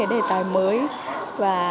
đề tài mới và